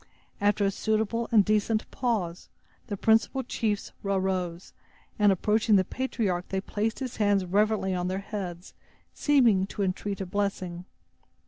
After a suitable and decent pause, the principal chiefs arose, and, approaching the patriarch, they placed his hands reverently on their heads, seeming to entreat a blessing.